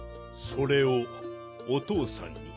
それをおとうさんに。